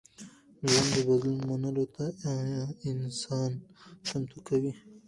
ژوند د بدلون منلو ته انسان چمتو کوي.